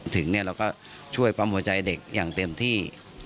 ถึงเราก็ช่วยปั๊มหัวใจเด็กอย่างเต็มที่